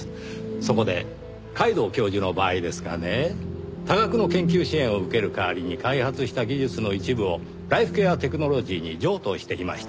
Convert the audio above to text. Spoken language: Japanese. そこで皆藤教授の場合ですがね多額の研究支援を受ける代わりに開発した技術の一部をライフケアテクノロジーに譲渡していました。